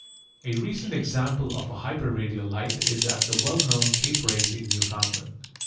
A recent example of a hyper radial light is at the well known Cape Race in Newfoundland.